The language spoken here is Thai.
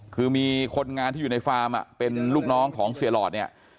คือมีคนงานที่อยู่ในฟาร์มเป็นลูกน้องของเสียหลอดเนี่ย